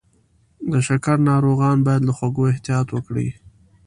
د شکر ناروغان باید له خوږو احتیاط وکړي.